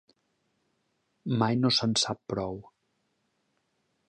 Mai no se'n sap prou.